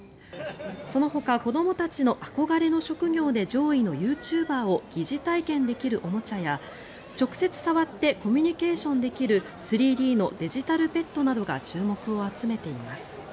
そのほか子どもたちの憧れの職業で上位のユーチューバーを疑似体験できるおもちゃや直接触ってコミュニケーションできる３Ｄのデジタルペットなどが注目を集めています。